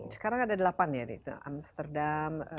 sekarang ada delapan ya di amsterdam